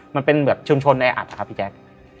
มันเป็นเหมือนชุมชนแอร์อัดอ่ะครับพี่แจ๊ก